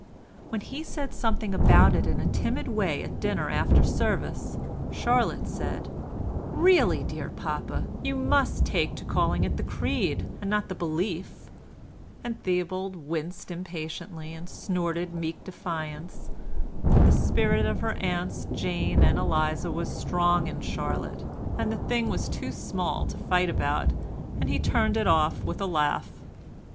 When he said something about it in a timid way at dinner after service, Charlotte said, "Really, papa dear, you must take to calling it the 'Creed' and not the 'Belief'"; and Theobald winced impatiently and snorted meek defiance, but the spirit of her aunts Jane and Eliza was strong in Charlotte, and the thing was too small to fight about, and he turned it off with a laugh.